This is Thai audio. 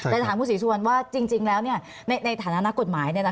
แต่ถามคุณศรีสุวรรณว่าจริงแล้วในฐานะนักกฎหมาย